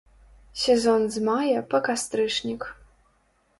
Сезон з мая па кастрычнік.